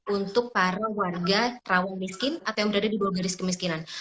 untuk para warga rawan miskin atau yang berada di bawah garis kemiskinan